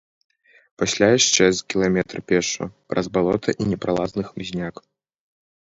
Пасля яшчэ з кіламетр пешшу, праз балота і непралазны хмызняк.